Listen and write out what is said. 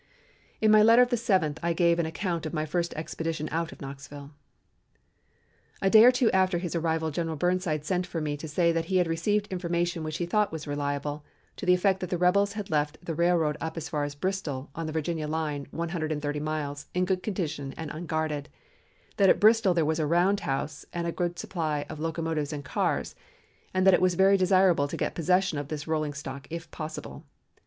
In my letter of the 7th I gave an account of my first expedition out of Knoxville: "A day or two after his arrival General Burnside sent for me to say that he had received information which he thought was reliable to the effect that the rebels had left the railroad up as far as Bristol, on the Virginia line one hundred and thirty miles, in good condition and unguarded; that at Bristol there was a round house and a great supply of locomotives and cars; and that it was very desirable to get possession of this rolling stock, if possible.